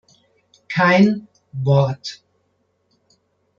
Kein Wort.